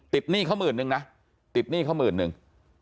หนี้เขาหมื่นนึงนะติดหนี้เขาหมื่นนึง